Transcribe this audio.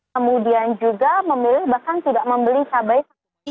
kemudian juga memilih bahkan tidak membeli cabai